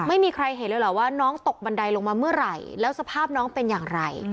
ไม่มีใครเห็นเลยเหรอว่าน้องตกบันไดลงมาเมื่อไหร่แล้วสภาพน้องเป็นอย่างไร